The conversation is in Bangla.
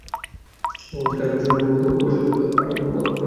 ভবন থেকে আটক ছয়জনের মধ্যে অবশ্য চারজনকে সন্দেহভাজন হিসেবে আটক করা হয়েছে।